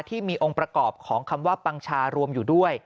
ที่มีองค์ประกอบของคำว่าปังชารวมอยู่ด้วย